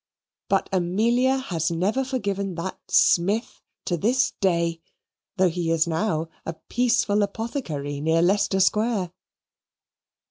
But Amelia has never forgiven that Smith to this day, though he is now a peaceful apothecary near Leicester Square.